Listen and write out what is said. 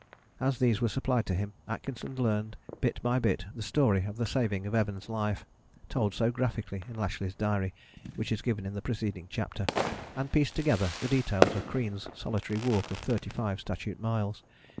As these were supplied to him Atkinson learned bit by bit the story of the saving of Evans' life, told so graphically in Lashly's diary which is given in the preceding chapter, and pieced together the details of Crean's solitary walk of thirty five statute miles.